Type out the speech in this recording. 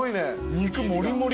肉もりもり。